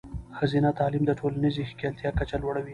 ښځینه تعلیم د ټولنیزې ښکیلتیا کچه لوړوي.